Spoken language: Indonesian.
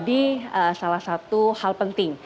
itu hal penting